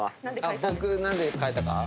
僕何で変えたか？